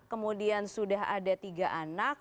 kemudian sudah ada tiga anak